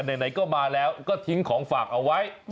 เอาล่ะแต่ไหนก็มาแล้วก็ทิ้งของฝากเอาไว้